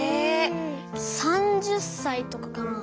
３０歳とかかな？